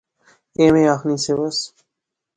ایویں آخنی سیوس